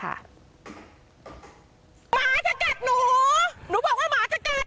หมาจะกัดหนูหนูบอกว่าหมาจะกัด